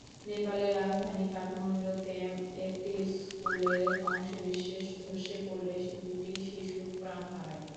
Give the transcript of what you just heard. নেপালের রাজধানী কাঠমান্ডুতে একটি স্কুলের অংশবিশেষ ধসে পড়লে দুটি শিশু প্রাণ হারায়।